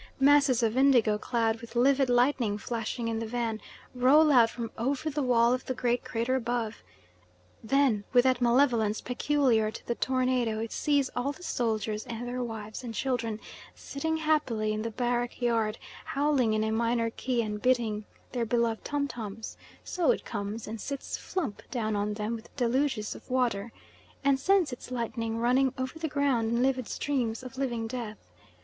Masses of indigo cloud with livid lightning flashing in the van, roll out from over the wall of the great crater above; then with that malevolence peculiar to the tornado it sees all the soldiers and their wives and children sitting happily in the barrack yard, howling in a minor key and beating their beloved tom toms, so it comes and sits flump down on them with deluges of water, and sends its lightning running over the ground in livid streams of living death.